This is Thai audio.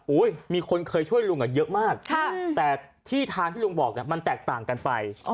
มีคนเคยช่วยลุงเยอะมากแต่ที่ทางที่ลุงบอกมันแตกต่างกันไป